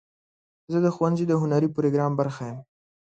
زه د ښوونځي د هنري پروګرام برخه یم.